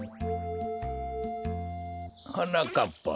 はなかっぱ。